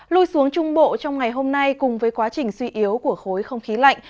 lui xuống trung bộ trong ngày hôm nay cùng với quá trình suy yếu của khối không khí lạnh